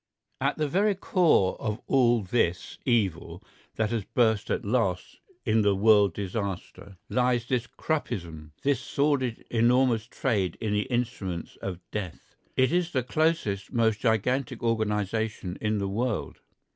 At the very core of all this evil that has burst at last in world disaster lies this Kruppism, this sordid enormous trade in the instruments of death. It is the closest, most gigantic organisation in the world.